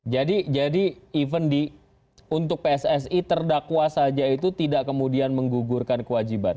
jadi jadi even di untuk pssi terdakwa saja itu tidak kemudian menggugurkan kewajiban